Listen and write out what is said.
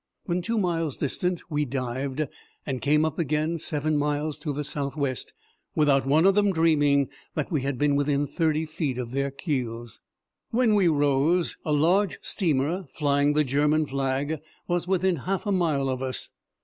When two miles distant we dived and came up again seven miles to the south west, without one of them dreaming that we had been within thirty feet of their keels. When we rose, a large steamer flying the German flag was within half a mile of us.